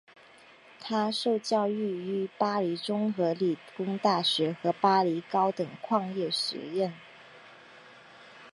他受教育于巴黎综合理工大学和巴黎高等矿业学院。